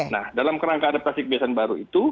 nah dalam kerangka adaptasi kebiasaan baru itu